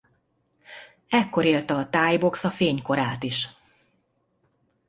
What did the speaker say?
Ekkor élte a thai boksz a fénykorát is.